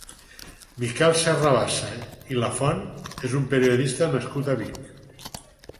Miquel Serrabassa i Lafont és un periodista nascut a Vic.